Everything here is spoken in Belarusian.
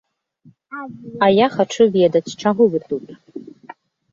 А я хачу ведаць, чаго вы тут.